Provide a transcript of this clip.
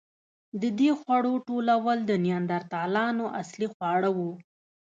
د دې خوړو ټولول د نیاندرتالانو اصلي خواړه وو.